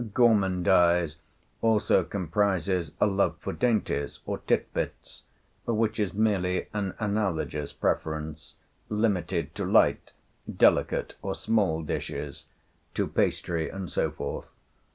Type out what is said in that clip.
Gourmandise also comprises a love for dainties or tit bits; which is merely an analogous preference, limited to light, delicate, or small dishes, to pastry, and so forth.